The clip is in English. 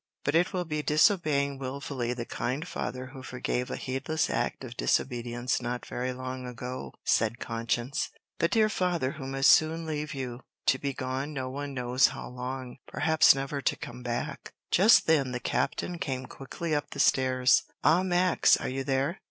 "But it will be disobeying wilfully the kind father who forgave a heedless act of disobedience not very long ago," said conscience; "the dear father who must soon leave you to be gone no one knows how long, perhaps never to come back." Just then the captain came quickly up the stairs. "Ah, Max, are you there?"